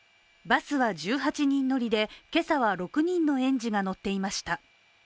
バスは１８人乗りで今朝は６人の園児が乗っていました。